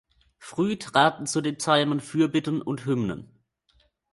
Früh traten zu den Psalmen Fürbitten und Hymnen.